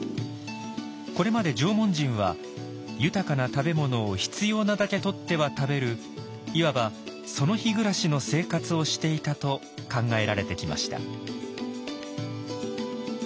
これまで縄文人は豊かな食べ物を必要なだけとっては食べるいわば「その日暮らし」の生活をしていたと考えられてきました。